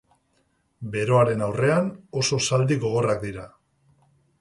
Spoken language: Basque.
Beroaren aurrean oso zaldi gogorrak dira.